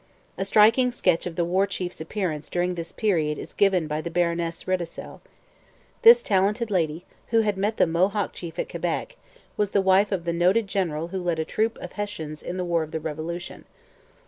A striking sketch of the War Chief's appearance during this period is given by the Baroness Riedesel. This talented lady, who had met the Mohawk chief at Quebec, was the wife of the noted general who led a troop of Hessians in the War of the Revolution.